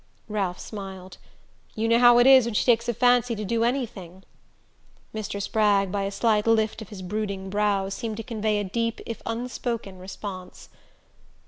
Ralph smiled. "You know how it is when she takes a fancy to do anything " Mr. Spragg, by a slight lift of his brooding brows, seemed to convey a deep if unspoken response.